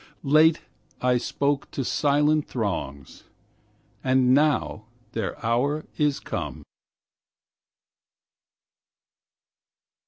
late I spoke to silent throngs, And now their hour is come.